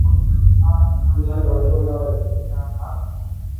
jeshi na dola vikaporomoka kabisa Milki ikagawiwa na